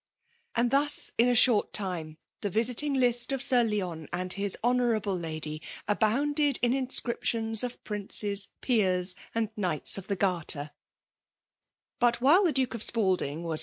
.» r .... And thus in a short timoj the visifiifig U^ ^ Sir Leon and his Honourable lady* abooD^ in inscriptions of princes, peers, attd'Knigliti of the Garter. But, while the Duke of Spaldiag was.